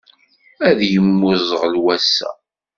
Ad yemmuẓɣel wass-a.